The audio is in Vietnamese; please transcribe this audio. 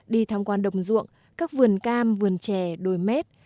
đi thăm quan đồng ruộng các vườn cam vườn trẻ đồi mét